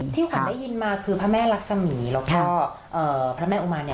ที่คุณได้ยินมาคือพระแม่รักษมีแล้วก็พระแม่อุมานเนี่ย